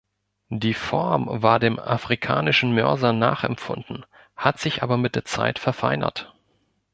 Die Form war dem afrikanischen Mörser nachempfunden, hat sich aber mit der Zeit verfeinert.